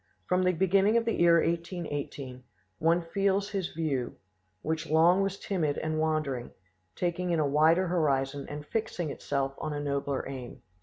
From the beginning of the year 1818, one feels his view, which long was timid and wandering, taking in a wider horizon and fixing itself on a nobler aim.